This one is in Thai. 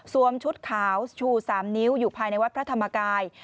ชุดขาวชู๓นิ้วอยู่ภายในวัดพระธรรมกาย